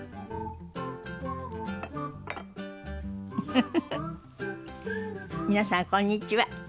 フフフフ皆さんこんにちは。